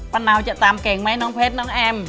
นาวจะตามเก่งไหมน้องเพชรน้องแอม